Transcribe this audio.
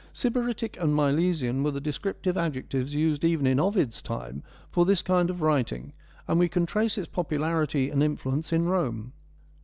Sybaritic and Milesian were the descriptive adjec tives used even in Ovid's time for this kind of writing, and we can trace its popularity and in fluence in Rome.